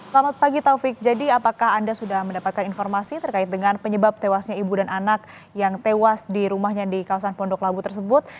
selamat pagi taufik jadi apakah anda sudah mendapatkan informasi terkait dengan penyebab tewasnya ibu dan anak yang tewas di rumahnya di kawasan pondok labu tersebut